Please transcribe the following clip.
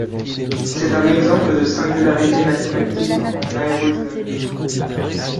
C'est un exemple de singularité mathématique en aérodynamique.